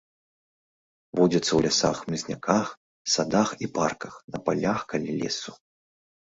Водзіцца ў лясах, хмызняках, садах і парках, на палях каля лесу.